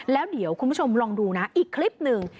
แล้วเดี๋ยวคุณผู้ชมลองดูนะอีกคลิปหนึ่ง